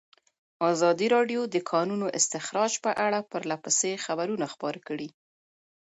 ازادي راډیو د د کانونو استخراج په اړه پرله پسې خبرونه خپاره کړي.